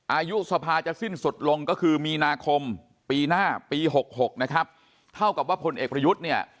อายุสภาจะสิ้นสุดลงก็คือมีนาคมปีหน้าปี๖๖นะครับเท่ากับว่าพลเอกประยุทธ์เนี่ย